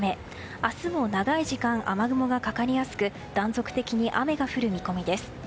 明日も長い時間雨雲がかかりやすく断続的に雨が降る見込みです。